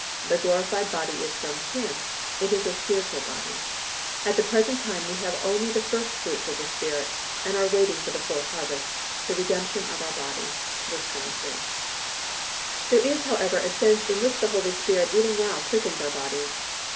The glorified body is from Him; it is "a spiritual body." At the present time, we have only the first fruits of the Spirit and are waiting for the full harvest, the redemption of our body (v. 23). There is, however, a sense in which the Holy Spirit even now quickens our bodies.